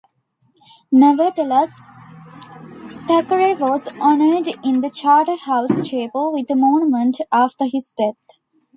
Nevertheless, Thackeray was honoured in the Charterhouse Chapel with a monument after his death.